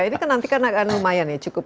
ini kan nanti kan akan lumayan ya cukup